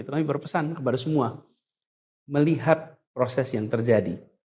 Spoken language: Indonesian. tetapi berpesan kepada semua melihat proses yang terjadi